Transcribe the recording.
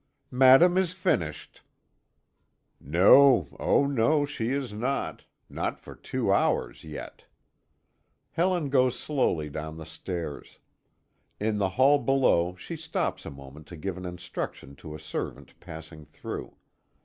"Madame is finished." No, oh no, she is not not for two hours yet. Helen goes slowly down the stairs; in the hall below she stops a moment to give an instruction to a servant passing through.